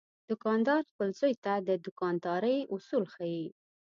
دوکاندار خپل زوی ته د دوکاندارۍ اصول ښيي.